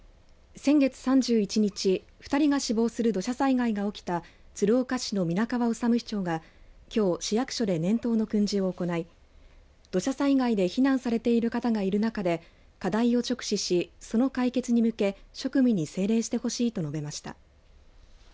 先月３１日２人が死亡する土砂災害が起きた鶴岡市の皆川治市長がきょう市役所で年頭の訓示を行い土砂災害で避難されている方がいる中で課題を直視し、その解決に向け職務に精励してほしいと述べました。